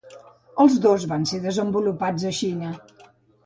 Els dos van ser desenvolupats a Xina.